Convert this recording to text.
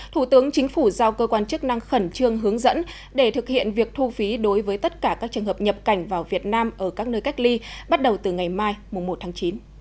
thủ tướng chính phủ giao cơ quan chức năng khẩn trương hướng dẫn để thực hiện việc thu phí đối với tất cả các trường hợp nhập cảnh vào việt nam ở các nơi cách ly bắt đầu từ ngày mai một tháng chín